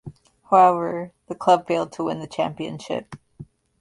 However, the club failed to win the championship.